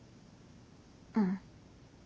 うん。